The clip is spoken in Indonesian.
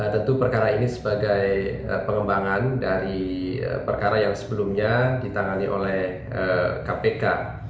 tentu perkara ini sebagai pengembangan dari perkara yang sebelumnya ditangani oleh kpk